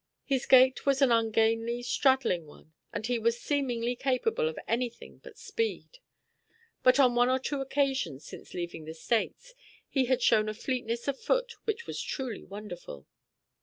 His gait was an ungainly, straddling one, and he was seemingly capable of anything but speed; but on one or two occasions since leaving the States, he had shown a fleetness of foot which was truly wonderful.